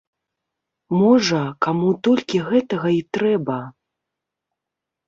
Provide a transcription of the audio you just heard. Можа, каму толькі гэтага і трэба.